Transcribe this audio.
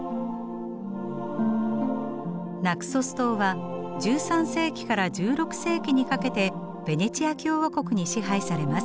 ナクソス島は１３世紀から１６世紀にかけてベネチア共和国に支配されます。